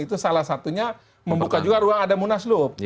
itu salah satunya membuka juga ruang ada munaslup